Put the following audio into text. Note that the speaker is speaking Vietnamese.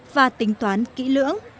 và tính toán kỹ lưỡng